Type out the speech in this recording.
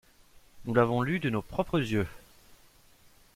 Nous l’avons lu de nos propres yeux !